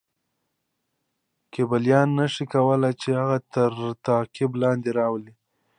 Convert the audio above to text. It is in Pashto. کیبلیان نه شي کولای چې هغه تر تعقیب لاندې راولي.